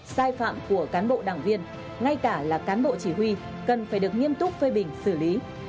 sai phạm của cán bộ đảng viên ngay cả là cán bộ chỉ huy cần phải được nghiêm túc phê bình xử lý